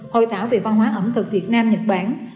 hội thảo về văn hóa ẩm thực việt nam nhật bản